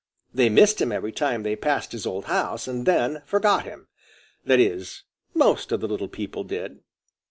They missed him every time they passed his old house and then forgot him; that is, most of the little meadow people did.